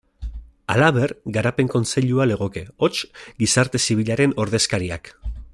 Halaber, Garapen Kontseilua legoke, hots, gizarte zibilaren ordezkariak.